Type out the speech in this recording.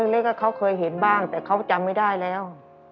เล็กเขาเคยเห็นบ้างแต่เขาจำไม่ได้แล้ว